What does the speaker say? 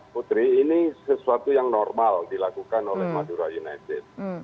putri ini sesuatu yang normal dilakukan oleh madura united